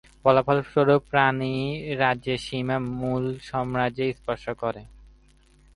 ফলস্বরূপ, রাণীর রাজ্যের সীমানা মুঘল সাম্রাজ্যকে স্পর্শ করে।